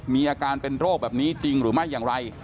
มีอาการเป็นโรคแบบนี้จริงหรือไม่อย่างไร